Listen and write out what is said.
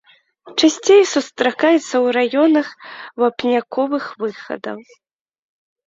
Часцей сустракаецца ў раёнах вапняковых выхадаў.